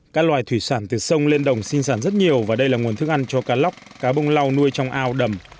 các loài thủy sản từ sông lên đồng sinh sản rất nhiều và đây là nguồn thức ăn cho cá lóc cá bông lau nuôi trong ao đầm